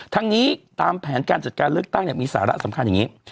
ทั้งนี้ตามแผนการจัดการเลือกตั้งมีสาระสำคัญอย่างนี้